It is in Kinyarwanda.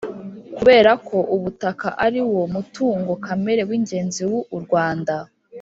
Kubera ko ubutaka ariwo mutungo kamere w ingenzi wu u Rwanda